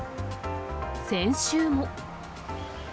先週も。